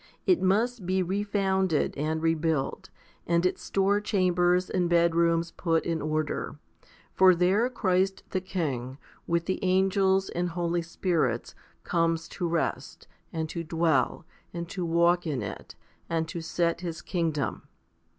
It must be refounded and rebuilt, and its store chambers and bedrooms put in order ; for there Christ the King, with the angels and holy spirits, comes to rest, and to dwell, and to walk in it, and to set His kingdom.